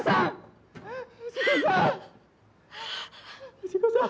藤子さん。